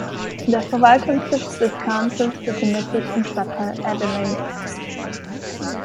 Der Verwaltungssitz des Councils befindet sich im Stadtteil Adelaide.